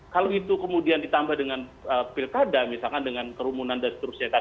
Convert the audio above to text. kalau itu kemudian ditambah dengan pilkada misalkan dengan kerumunan dan seterusnya